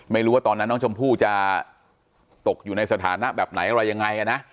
ไม่รู้ว่าตอนนั้นน้องชมพู่จะตกอยู่ในสถานะแบบไหนอะไรยังไงนะ